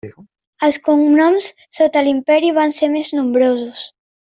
Els cognoms sota l'imperi van ser més nombrosos.